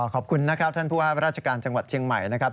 ขอบคุณนะครับท่านผู้ว่าราชการจังหวัดเชียงใหม่นะครับ